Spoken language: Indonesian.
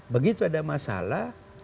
begitu ada masalah